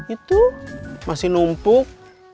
itu masih numpuk